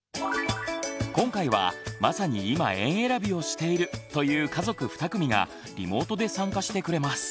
今回はまさに今園えらびをしているという家族２組がリモートで参加してくれます。